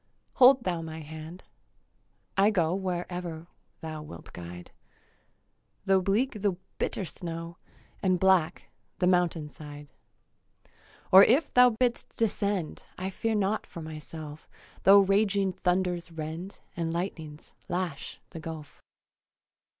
Hold thou my hand. I go Wherever thou wilt guide, Tho' bleak the bitter snow And black the mountain side. Or if thou bid'st descend, I fear not for myself, Tho' raging thunders rend And lightnings lash, the gulf.